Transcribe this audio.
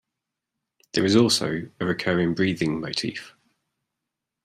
There is also a recurring breathing motif.